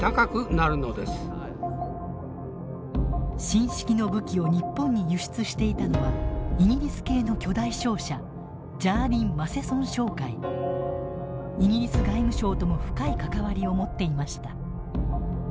新式の武器を日本に輸出していたのはイギリス系の巨大商社イギリス外務省とも深い関わりを持っていました。